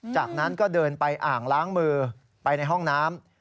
จากนั้นก็เดินไปอ่างล้างมือไปในห้องน้ำ